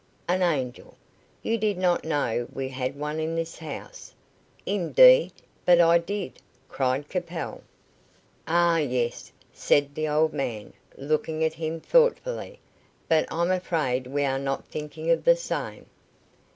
"An angel. You did not know we had one in this house." "Indeed, but I did," cried Capel. "Ah, yes," said the old man, looking at him thoughtfully; "but I'm afraid we are not thinking of the same."